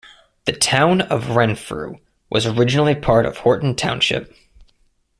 The Town of Renfrew was originally part of Horton Township.